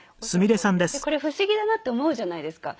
これ不思議だなって思うじゃないですか。